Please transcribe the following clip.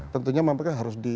tentunya mereka harus di